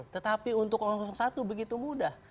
tetapi untuk satu begitu mudah